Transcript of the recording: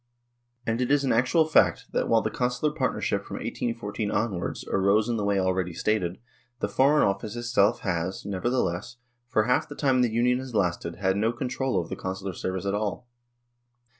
And it is an actual fact, that while the Consular partnership from 1814 onwards arose in the way already stated, the Foreign Office itself has, nevertheless, for half the time the Union has lasted, had no control of the Consular service at all.